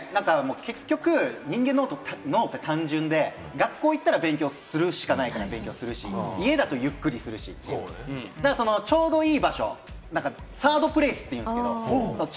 人間の脳って単純で、学校行ったら勉強するしかないからする、家だとゆっくりするし、ちょうどいい場所、サードプレイスというんですけれど。